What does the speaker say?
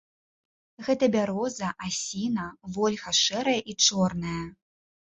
Гэта бяроза, асіна, вольха шэрая і чорная.